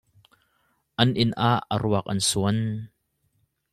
An inn ah a ruak an suan.